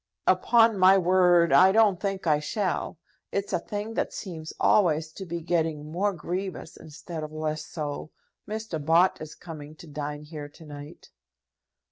"Upon my word I don't think I shall. It's a thing that seems always to be getting more grievous, instead of less so. Mr. Bott is coming to dine here to night."